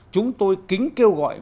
chúng tôi kính kêu gọi